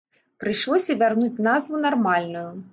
Прыйшлося вярнуць назву нармальную.